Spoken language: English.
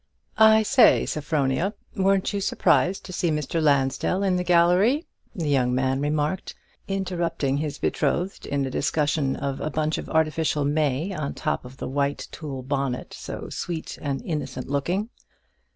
"I say, Sophronia, weren't you surprised to see Mr. Lansdell in the gallery?" the young man remarked, interrupting his betrothed in a discussion of a bunch of artificial may on the top of a white tulle bonnet so sweet and innocent looking.